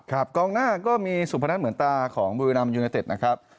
ครับกองหน้าก็มีสุพนันตร์เหมือนตาของบิวินัมน่ะครับ